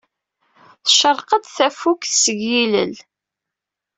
Tecreq-d tafukt seg yilel.